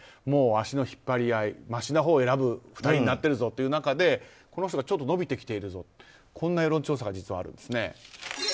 もう、足の引っ張り合いましなほうを選ぶ２人になっている中でこの人が伸びてきているというこんな世論調査があるんです。